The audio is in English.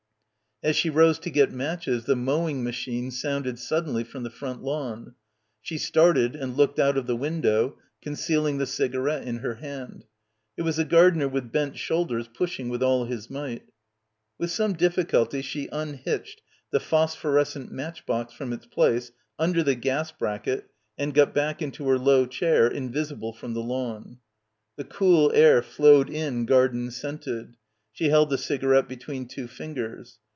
As she rose to get matches the mowing machine sounded sud denly from the front lawn. She started and looked out of the window, concealing the cigarette — 44 — BACKWATER in her hand. It was the gardener with bent shoul ders pushing with all his might. With some dif ficulty she unhitched the phosphorescent match box from its place under the gas bracket and got back into her low chair, invisible from the lawn. The cool air flowed in garden scented. She held the cigarette between two fingers.